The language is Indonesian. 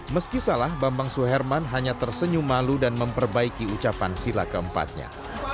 meski salah bambang suherman hanya tersenyum malu dan memperbaiki ucapan sila keempatnya